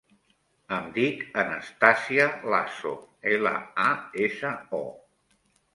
Em dic Anastàsia Laso: ela, a, essa, o.